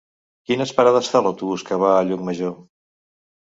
Quines parades fa l'autobús que va a Llucmajor?